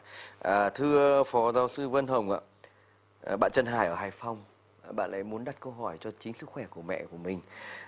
dạ thưa phó giáo sư vân hồng ạ bạn trần hải ở hải phong bạn ấy muốn đặt câu hỏi cho chính sức khỏe của mẹ của mình